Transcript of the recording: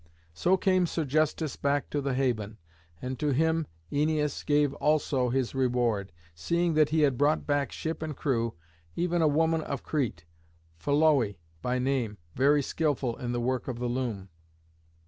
So came Sergestus back to the haven, and to him Æneas gave also his reward, seeing that he had brought back ship and crew, even a woman of Crete, Pholoé by name, very skilful in the work of the loom.